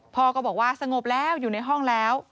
พ่อก็บอกว่าสงบแล้วอยู่ในห้องแล้ว